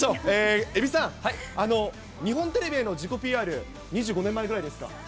えびさん、日本テレビへの自己ＰＲ、２５年前ぐらいですか。